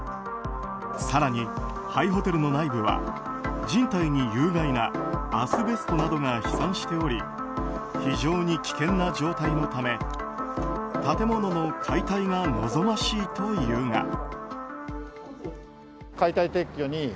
更に、廃ホテルの内部は人体に有害なアスベストなどが飛散しており非常に危険な状態のため建物の解体が望ましいというが。